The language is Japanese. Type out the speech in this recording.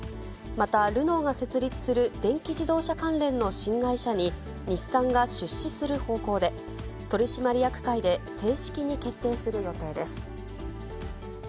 また、ルノーが設立する電気自動車関連の新会社に、日産が出資する方向で、取締役会で正式に決定する予定です。